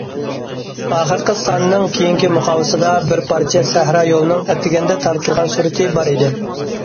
ئاخىرقى سانىنىڭ كېيىنكى مۇقاۋىسىدا بىر پارچە سەھرا يولىنىڭ ئەتىگەندە تارتىلغان سۈرىتى بار ئىدى.